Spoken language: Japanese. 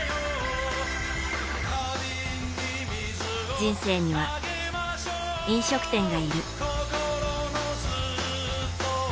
人生には、飲食店がいる。